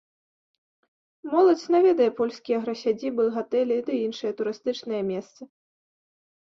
Моладзь наведае польскія аграсядзібы, гатэлі ды іншыя турыстычныя месцы.